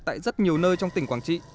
tại rất nhiều nơi trong tỉnh quảng trị